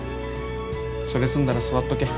それ済んだら座っとけ。